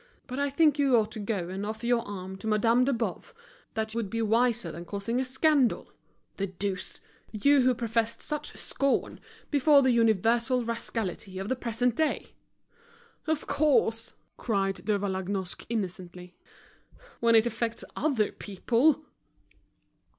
But I think you ought to go and offer your arm to Madame de Boves, that would be wiser than causing a scandal. The deuce! you who professed such scorn before the universal rascality of the present day!" "Of course," cried De Vallagnosc, innocently, "when it affects other people!"